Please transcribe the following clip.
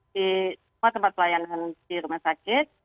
di semua tempat pelayanan di rumah sakit